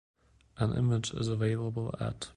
An image is available at.